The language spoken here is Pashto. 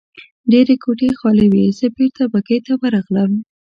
ډېرې کوټې خالي وې، زه بېرته بګۍ ته ورغلم.